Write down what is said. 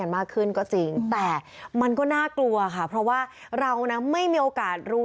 มากขึ้นก็จริงแต่มันก็น่ากลัวค่ะเพราะว่าเรานะไม่มีโอกาสรู้